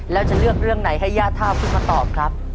แล้วจะเลือกเรื่องไหนให้ย่าทาบขึ้นมาตอบครับ